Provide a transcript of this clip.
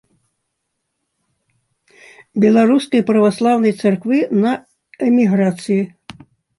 Беларускай праваслаўнай царквы на эміграцыі.